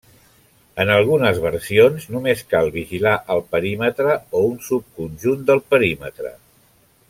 En algunes versions només cal vigilar el perímetre o un subconjunt del perímetre.